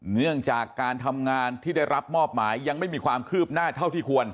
เนื่องจากการทำงานที่ได้รับมอบหมายยังไม่มีความคืบหน้าเท่าที่ควร